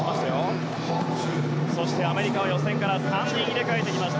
そして、アメリカは予選から３人、入れ替えてきました。